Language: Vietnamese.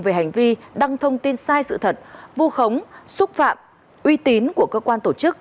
về hành vi đăng thông tin sai sự thật vu khống xúc phạm uy tín của cơ quan tổ chức